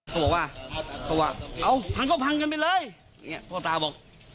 เขาบอกว่าเขาบอกเอาพังก็พังกันไปเลยเนี่ยพ่อตายบอก